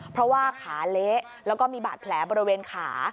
เพราะว่าขาเละแล้วก็มีบาดแผลบริเวณขา